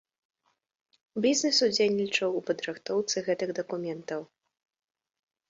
Бізнес удзельнічаў у падрыхтоўцы гэтых дакументаў.